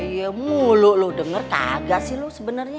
iya mulu lu denger kagak sih lu sebenernya